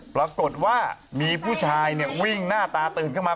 ปรากฏว่ามีผู้ชายวิ่งหน้าตาตื่นขึ้นมา